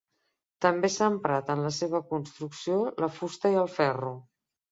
També s'ha emprat en la seva construcció la fusta i el ferro.